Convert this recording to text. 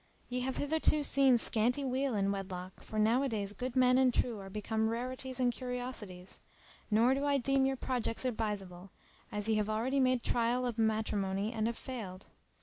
[FN#304] ye have hitherto seen scanty weal in wedlock, for now a days good men and true are become rarities and curiosities; nor do I deem your projects advisable, as ye have already made trial of matrimony and have failed."